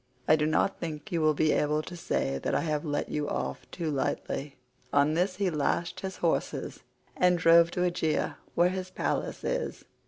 I do not think you will be able to say that I have let you off too lightly." On this he lashed his horses and drove to Aegae where his palace is.